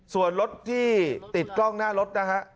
ส่วนรถที่ติดกล้องหน้ารถนะฮะ